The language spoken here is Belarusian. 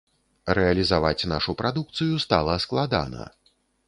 Рэалізаваць нашу прадукцыю стала складана.